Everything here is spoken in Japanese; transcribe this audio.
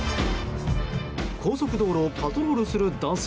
高速道路をパトロールする男性。